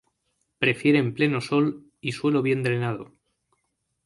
Prefieren pleno sol y suelo bien drenado.